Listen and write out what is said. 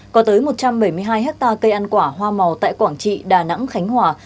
có tới một trăm bảy mươi hai hectare cây ăn quả hoa màu tại quảng trị đà nẵng khánh hòa